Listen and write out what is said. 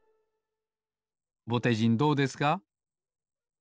ぼてじんどうですか？